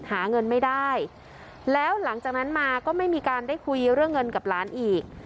หาเงินไม่ได้แล้วหลังจากนั้นมาก็ไม่มีการได้คุยเรื่องเงินกับหลานอีก